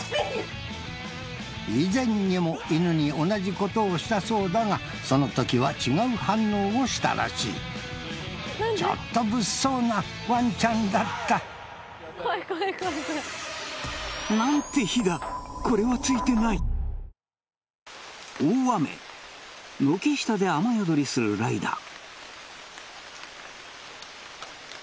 以前にも犬に同じことをしたそうだがその時は違う反応をしたらしいちょっと物騒なワンちゃんだったこれはついてない大雨軒下で雨宿りするライダー